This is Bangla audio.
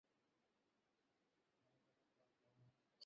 তোমরা জানো এটা কতটা ভয়ংকর?